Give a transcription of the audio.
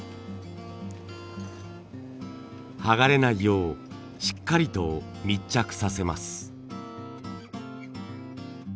剥がれないようしっかりと密着させます。